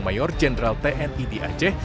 mayor jenderal tni di aceh